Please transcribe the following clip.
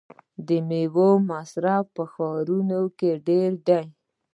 د میوو مصرف په ښارونو کې ډیر دی.